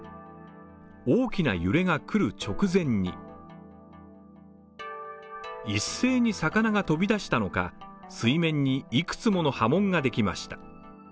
大きな揺れが来る直前に一斉に魚が飛び出したのか、水面にいくつもの波紋ができました